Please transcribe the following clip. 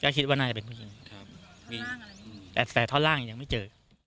ก็คิดว่าน่าจะเป็นผู้หญิงครับล่างอะไรดีมีแต่ทอดร่างยังไม่เจอ